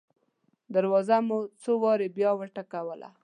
دروازه مو څو واره بیا وټکوله.